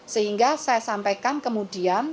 sehingga saya sampaikan kemudian